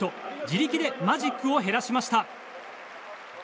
自力でマジックを減らしました。